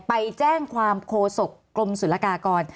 ไปแจ้งความโคศกกรมศุลกากร